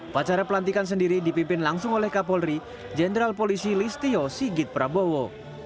pacara pelantikan sendiri dipimpin langsung oleh kapolri jenderal polisi listio sigit prabowo